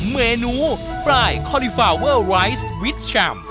เมนูฟรายคอลลิฟาวเวอร์ไรส์วิชชัม